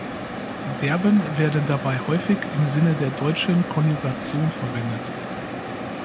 Verben werden dabei häufig im Sinne der deutschen Konjugation verwendet.